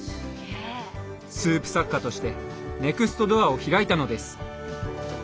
スープ作家としてネクストドアを開いたのです。